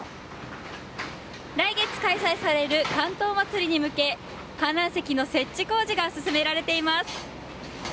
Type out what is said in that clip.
来月開催される竿灯まつりに向け観覧席の設置工事が進められています。